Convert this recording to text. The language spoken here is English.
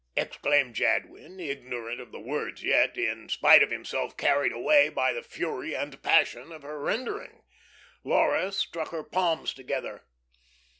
exclaimed Jadwin, ignorant of the words yet, in spite of himself, carried away by the fury and passion of her rendering. Laura struck her palms together.